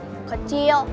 memangnya rumah kamu kecil